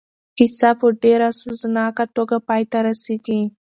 کیسه په ډېره سوزناکه توګه پای ته رسېږي.